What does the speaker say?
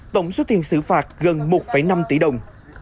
tổng suất thiền xử phạt gần một năm tỷ đồng